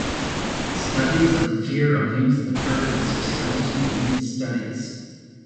Studies of the fear of youth occur in sociology and youth studies.